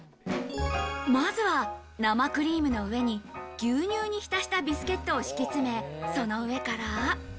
まずは生クリームの上に牛乳に浸したビスケットを敷き詰め、その上から。